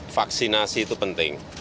vaksinasi itu penting